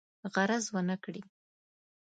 غرض ونه کړي.